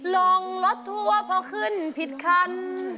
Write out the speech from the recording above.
ลงรถทัวร์พอขึ้นผิดคัน